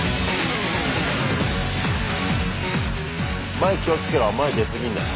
前気をつけろ前出過ぎんなよ。